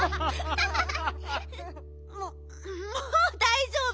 ももうだいじょうぶ。